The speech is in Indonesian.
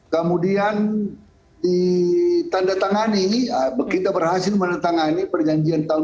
kemudian ditandatangani kita berhasil menandatangani perjanjian tahun dua ribu